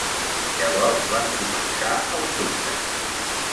Llavors van començar els dubtes.